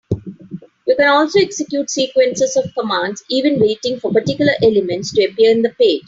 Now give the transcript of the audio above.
You can also execute sequences of commands, even waiting for particular elements to appear in the page.